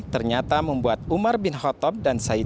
ternyata membuat umar bin khattab dan saidah